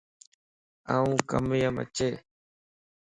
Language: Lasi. آن ڪم يم اچي؟